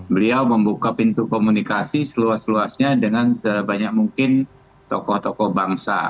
beliau membuka pintu komunikasi seluas luasnya dengan sebanyak mungkin tokoh tokoh bangsa